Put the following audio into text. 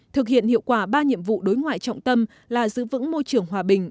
thực hiện hiệu quả ba nhiệm vụ đối ngoại trọng tâm là giữ vững môi trường hòa bình